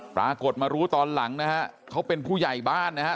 ปรากฏมารู้ตอนหลังนะฮะเขาเป็นผู้ใหญ่บ้านนะฮะ